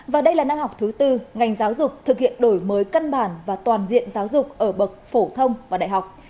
và đây là năm học thứ tư ngành giáo dục thực hiện đổi mới căn bản và toàn diện giáo dục ở bậc phổ thông và đại học